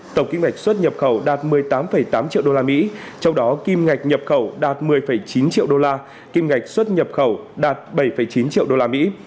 tổng kinh mạch xuất nhập khẩu đạt một mươi tám tám triệu đô la mỹ trong đó kim ngạch nhập khẩu đạt một mươi chín triệu đô la kim ngạch xuất nhập khẩu đạt bảy chín triệu đô la mỹ